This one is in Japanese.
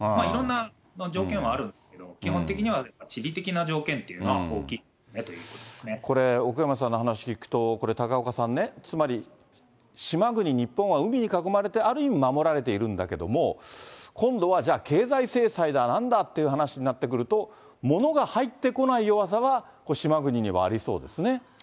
いろんな条件はあるんですけど、基本的にはやっぱ地理的な条件というのは大きいですよねというここれ、奥山さんの話聞くと、これ、高岡さんね、つまり島国、日本は海に囲まれてある意味守られているんだけれども、今度はじゃあ、経済制裁だなんだっていう話になってくると、ものが入ってこない弱さは島国にはありそうですね。